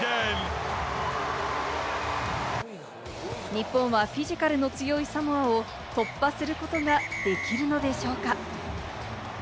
日本はフィジカルの強いサモアを突破することができるのでしょうか。